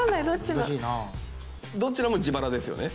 どちらも自腹ですよね？